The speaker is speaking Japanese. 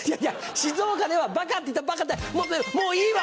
静岡ではバカって言ったもういいわ！